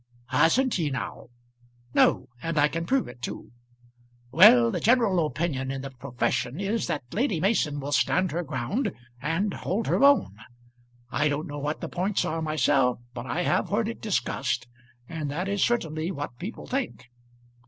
"Hasn't he now?" "No; and I can prove it too." "Well; the general opinion in the profession is that Lady Mason will stand her ground and hold her own. I don't know what the points are myself, but I have heard it discussed, and that is certainly what people think."